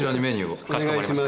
かしこまりました。